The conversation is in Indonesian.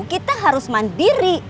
kita harus mandiri